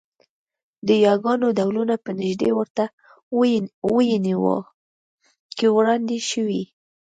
د یاګانو ډولونه په نږدې ورته وییونو کې وړاندې شوي